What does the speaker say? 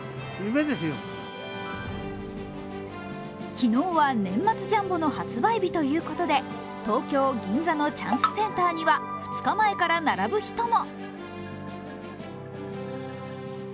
昨日は年末ジャンボの発売日ということで東京・銀座のチャンスセンターには２日前から並ぶ人も。